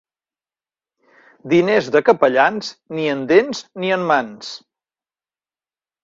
Diners de capellans, ni en dents ni en mans.